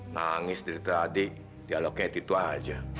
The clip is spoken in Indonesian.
mangis menderita adik dialognya itu saja